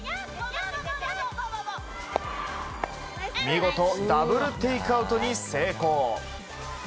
見事、ダブルテイクアウトに成功。